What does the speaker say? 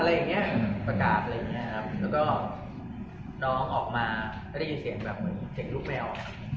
แล้วนะคะรายค้าครั้งนี้นะน้องออกมาจะได้ยินเสียงแบบเห็นลูกแมว